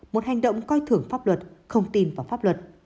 một hành động coi thưởng pháp luật không tin vào pháp luật